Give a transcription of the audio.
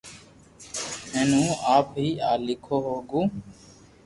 ھين ھون آپ ھي ليکو ھگو